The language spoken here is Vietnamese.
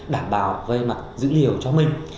đảm bảo về mặt dữ liệu cho mình